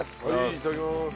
いただきます。